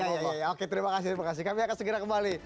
iya iya iya oke terima kasih kami akan segera kembali